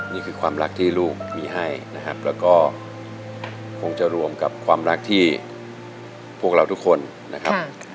นี่คือความรักที่ลูกมีให้นะครับแล้วก็คงจะรวมกับความรักที่พวกเราทุกคนนะครับ